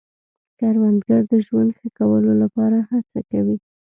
کروندګر د ژوند ښه کولو لپاره هڅه کوي